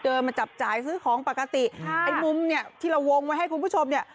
มาจับจ่ายซื้อของปกติค่ะไอ้มุมเนี่ยที่เราวงไว้ให้คุณผู้ชมเนี่ย